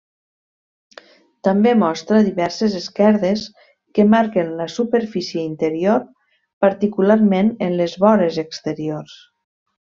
També mostra diverses esquerdes que marquen la superfície interior, particularment en les vores exteriors.